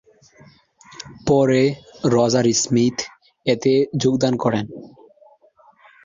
পরে Roger Smith এতে যোগদান করেন।